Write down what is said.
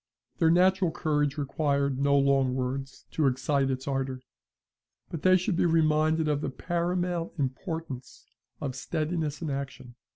Their natural courage required no long words to excite its ardour: but they should be reminded of the paramount importance of steadiness in action.